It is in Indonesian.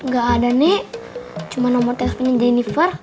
gak ada nek cuma nomor teleponnya jennifer